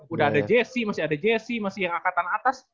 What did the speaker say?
udah ada jessi masih ada jessi masih yang angkatan atas